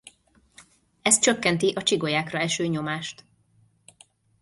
Ez csökkenti a csigolyákra eső nyomást.